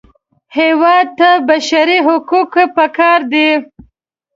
هېواد ته بشري حقوق پکار دي